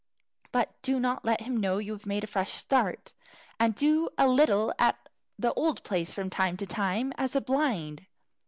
But do not let him know that you have made a fresh start. And do a little at the old place from time to time, as a blind."